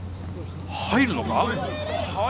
入るのか？